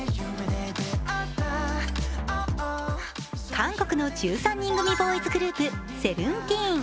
韓国の１３人組ボーイズグループＳＥＶＥＮＴＥＥＮ。